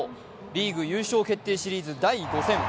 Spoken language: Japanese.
リーグ優勝決定シリーズ第５戦。